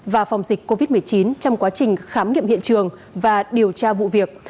và phòng dịch covid một mươi chín trong quá trình khám nghiệm hiện trường và điều tra vụ việc